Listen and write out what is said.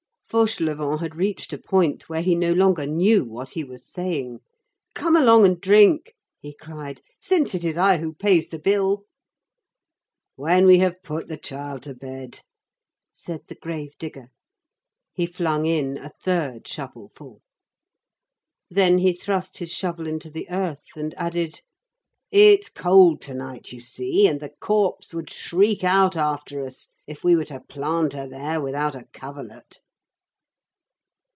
Fauchelevent had reached a point where he no longer knew what he was saying. "Come along and drink," he cried, "since it is I who pays the bill." "When we have put the child to bed," said the grave digger. He flung in a third shovelful. Then he thrust his shovel into the earth and added:— "It's cold to night, you see, and the corpse would shriek out after us if we were to plant her there without a coverlet."